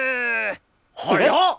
早っ！